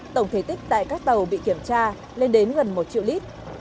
tổng thể tích tại các tàu bị kiểm tra lên đến gần một triệu lít